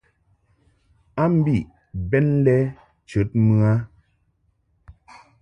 A mbiʼ bɛn lɛ chəd mɨ a.